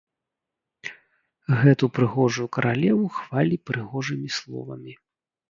Гэту прыгожую каралеву хвалі прыгожымі словамі.